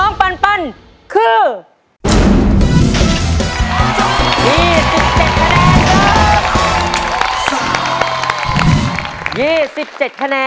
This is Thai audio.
ขอบคุณค่ะ